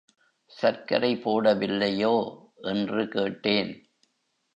சர்க்கரை போடவில்லையோ? என்று கேட்டேன்.